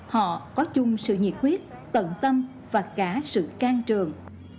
họ có chung sự nhiệt quyết tận tâm và cả sự can trường